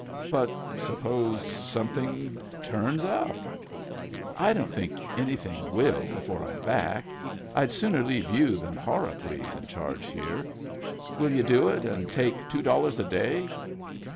" But suppose something turns up ?" "I don't think anjrthing will before Tm back. Fd sooner leave you than Horacles in charge here. Will you do it and take two dollars a day?"